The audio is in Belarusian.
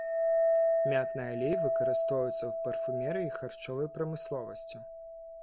Мятны алей выкарыстоўваюць у парфумерыі і харчовай прамысловасці.